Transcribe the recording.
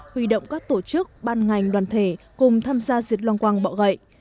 huy động các tổ chức ban ngành đoàn thể cùng tham gia diệt long quăng bọ gậy